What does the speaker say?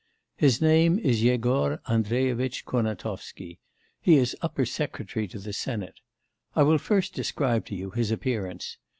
His name is Yegor Andreyevitch Kurnatovsky; he is upper secretary to the Senate. I will first describe to you his appearance.